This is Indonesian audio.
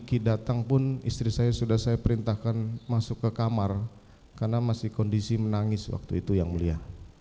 kaki datang pun istri saya sudah saya perintahkan masuk ke kamar karena masih kondisi menangis waktu itu yang mulia